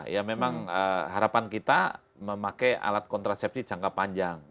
ya memang harapan kita memakai alat kontrasepsi jangka panjang